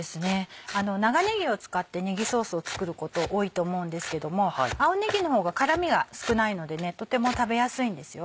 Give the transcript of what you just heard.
長ねぎを使ってねぎソースを作ること多いと思うんですけども青ねぎの方が辛みが少ないのでとても食べやすいんですよ。